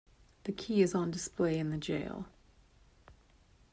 The key is on display in the jail.